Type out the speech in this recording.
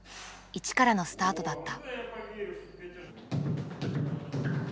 一からのスタートだった。